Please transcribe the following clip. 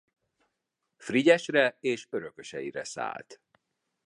Frigyesre és örököseire szállt.